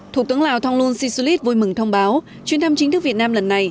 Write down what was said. thủ tướng lào thonglun sisulit vui mừng thông báo chuyến thăm chính thức việt nam lần này